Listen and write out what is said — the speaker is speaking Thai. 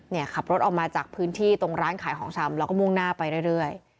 ขับรถออกมาจากพื้นที่ตรงร้านขายของชำแล้วก็มุ่งหน้าไปเรื่อย